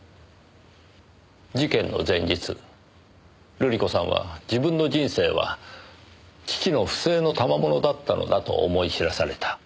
事件の前日瑠璃子さんは自分の人生は父の不正の賜物だったのだと思い知らされた。